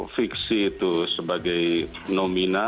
fiksi itu sebagai nomina